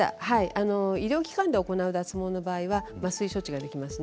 医療機関で行う脱毛の場合は麻酔処置ができます。